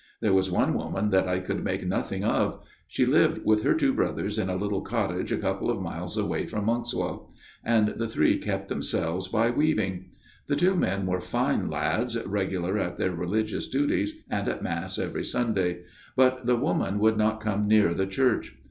There was one woman that I could make nothing of. She lived with her two brothers in a little cottage a couple of miles away from Monkswell ; and the three kept themselves by weaving. The two men were fine lads, regular at their religious duties, and at Mass every Sunday. But the woman would not come near the church.